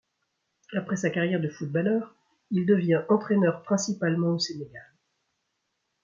Après sa carrière de footballeur, il devient entraîneur principalement au Sénégal.